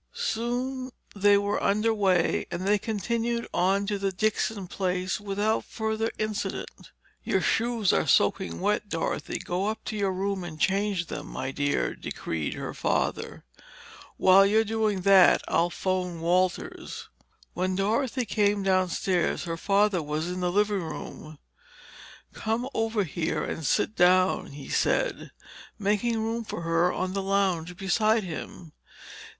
Soon they were under way, and they continued on to the Dixon place without further incident. "Your shoes are soaking wet, Dorothy. Go up to your room and change them, my dear," decreed her father. "While you're doing that, I'll phone Walters." When Dorothy came downstairs her father was in the living room. "Come over here and sit down," he said, making room for her on the lounge beside him.